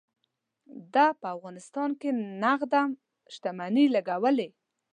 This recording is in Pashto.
ده په افغانستان کې نغده شتمني لګولې.